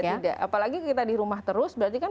tidak apalagi kita di rumah terus berarti kan